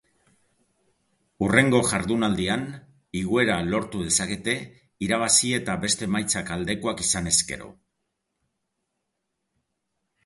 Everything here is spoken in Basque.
Hurrengo jardunaldian igoera lortu dezakete irabazi eta beste emaitzak aldekoak izanez gero.